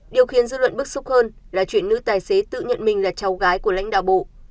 điều khiến dư luận bức xúc hơn là chuyện nữ tài xế tự nhận mình là cháu gái của lãnh đạo bộ